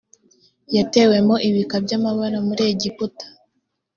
yatewemo ibika by amabara muri egiputa